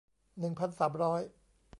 หนึ่งพันสามร้อย